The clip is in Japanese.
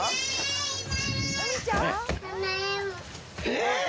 え！